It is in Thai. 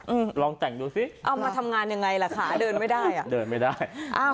อืมลองแต่งดูสิเอามาทำงานยังไงล่ะขาเดินไม่ได้อ่ะเดินไม่ได้อ้าว